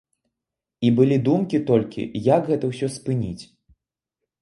І былі думкі толькі, як гэта ўсё спыніць.